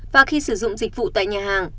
và khi sử dụng dịch vụ tại nhà hàng